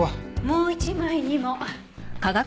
もう一枚にも。